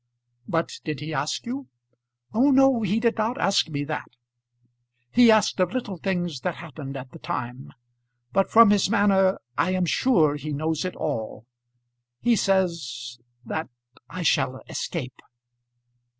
"But did he ask you?" "Oh, no, he did not ask me that. He asked of little things that happened at the time; but from his manner I am sure he knows it all. He says that I shall escape."